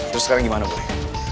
terus sekarang gimana boy